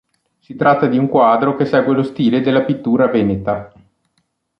Si tratta di un quadro che segue lo stile della pittura veneta.